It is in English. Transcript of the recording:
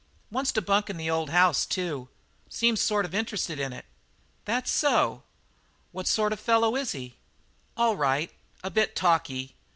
"Wants to bunk in the old house, too. Seems sort of interested in it." "That so? What sort of a fellow is he?" "All right. A bit talky.